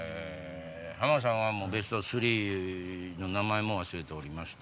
浜田さんはＢＥＳＴ３の名前も忘れておりました。